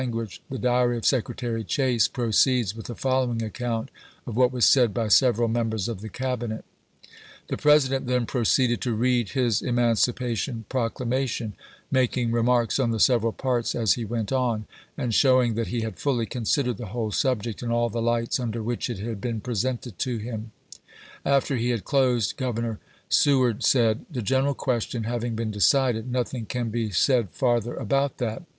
guage, the diary of Secretary Chase proceeds with the following account of what was said by several members of the Cabinet : The President then proceeded to read his Emancipation Proclamation, making remarks on the several parts as he went on, and showing that he had fully considered the whole subject, in all the lights under which it had been presented to him. After he had closed, Governor Seward said: "The general question having been decided, nothing can be said farther about that.